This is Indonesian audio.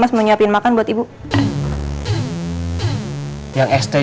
assalamualaikum warahmatullahi wabarakatuh